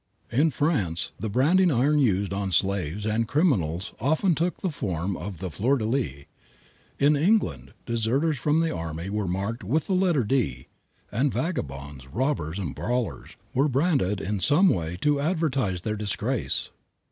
In France the branding iron used on slaves and criminals often took the form of the fleur de lis. In England deserters from the army were marked with the letter D, and vagabonds, robbers and brawlers were branded in some way to advertise their disgrace.